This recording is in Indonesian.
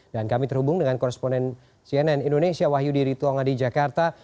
dan kami terhubung dengan korresponden cnn indonesia wahyudi ritonga di jakarta